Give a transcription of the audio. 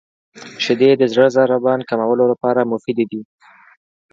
• شیدې د زړه د ضربان کمولو لپاره مفیدې دي.